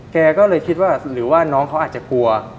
แกก็เลยคิดว่าหรือว่าน้องเขาอาจจะกลัว